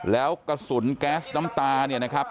แล้วกระสุนแก๊สน้ำตาเนี่ยนะครับ